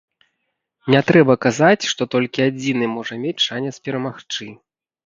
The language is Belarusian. Не трэба казаць, што толькі адзіны можа мець шанец перамагчы.